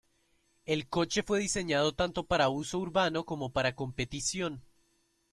El coche fue diseñado tanto para uso urbano como para competición.